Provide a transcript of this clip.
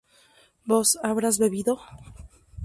vos habrás bebido